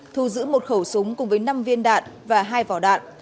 thu giữ một khẩu súng cùng với năm viên đạn và hai vỏ đạn